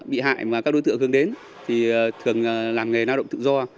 bị hại mà các đối tượng hướng đến thì thường làm nghề lao động tự do